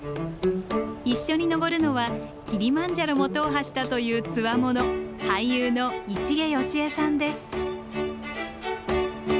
一緒に登るのはキリマンジャロも踏破したという強者俳優の市毛良枝さんです。